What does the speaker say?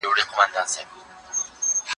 سم نیت ناامیدي نه راوړي.